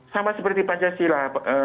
sama seperti pancasila